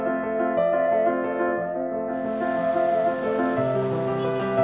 aku ntar ada jalur aku ntar ke kamar kembali nanti aku bredem deh lagi sama forms muka atuh ths